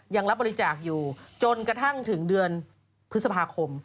ยังรับบริจาคอยู่จนกระทั่งถึงเดือนพฤษภาคม